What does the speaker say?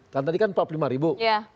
kan tadi kan empat puluh lima ribu